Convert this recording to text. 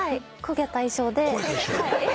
焦げた衣装で。